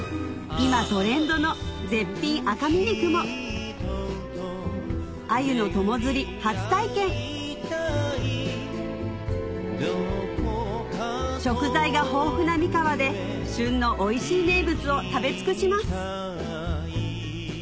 今トレンドの絶品赤身肉もアユの友釣り初体験食材が豊富な三河で旬のおいしい名物を食べ尽くします